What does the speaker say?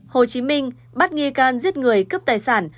hồ chí minh bắt nghi can giết người cướp tài sản